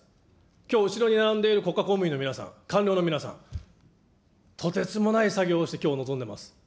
きょう後ろに並んでいる国家公務員の皆さん、官僚の皆さん、とてつもない作業をしてきょう、臨んでいます。